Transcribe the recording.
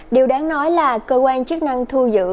điều đáng nói là cơ quan chức năng thu giữ